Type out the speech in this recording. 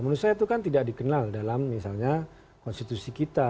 menurut saya itu kan tidak dikenal dalam misalnya konstitusi kita